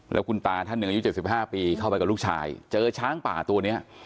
แล้วคุณตาท่านหนึ่งอายุ๗๕ปีเข้าไปกับลูกชายเจอช้างป่าตัวนี้